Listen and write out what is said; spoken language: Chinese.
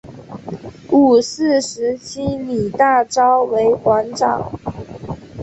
五四时期李大钊为馆长。